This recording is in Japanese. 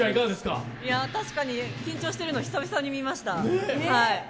確かに緊張してるの久々に見ました。